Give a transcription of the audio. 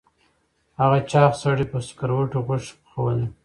هغه چاغ سړي په سکروټو غوښې پخولې.